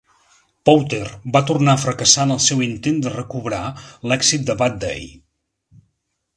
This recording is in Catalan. Powter va tornar a fracassar en el seu intent de recobrar l'èxit de Bad Day.